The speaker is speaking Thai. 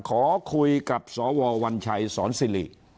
ขอคุยกับสววัญชัยสอนสิริ